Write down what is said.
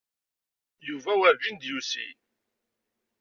Yuba werǧin d-yusi.